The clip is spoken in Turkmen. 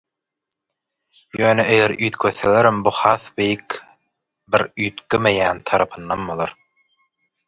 Ýöne eger üýtgeselerem bu has beýik bir üýtgemeýän tarapyndan bolar.